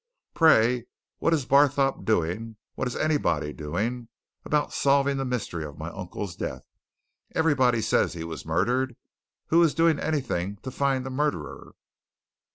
Pray, what is Barthorpe doing, what is anybody doing, about solving the mystery of my uncle's death? Everybody says he was murdered who is doing anything to find the murderer?"